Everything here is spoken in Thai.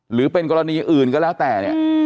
หรือเป็นกรณีอื่นก็แล้วแต่เนี่ย